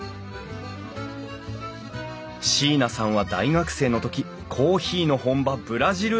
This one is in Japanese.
椎名さんは大学生の時コーヒーの本場ブラジルへ留学。